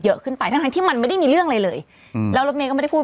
เยอะขึ้นไปทั้งที่มันไม่ได้มีเรื่องอะไรเลยอืมแล้วโดดเมก็ไม่ได้พูด